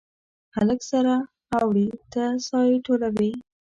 هلک سره اوړي ته سایې ټولوي